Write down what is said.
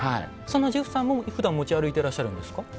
そんなジェフさんもふだん持ち歩いてらっしゃるんですか？